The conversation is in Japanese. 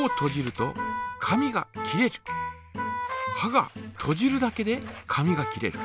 がとじるだけで紙が切れる。